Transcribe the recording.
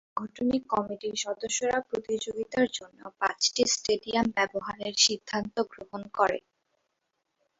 AFC সাংগঠনিক কমিটির সদস্যরা প্রতিযোগিতার জন্য পাঁচটি স্টেডিয়াম ব্যবহারের সিদ্ধান্ত গ্রহণ করে।